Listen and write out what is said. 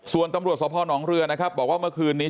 ส่วนตำรวจสนเรือบอกว่าเมื่อคืนนี้